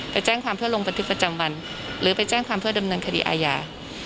ไปแจ้งความเพื่อลงบันทึกประจำวันหรือไปแจ้งความเพื่อดำเนินคดีอาญา